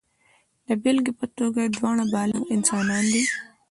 د بېلګې په توګه دواړه بالغ انسانان دي.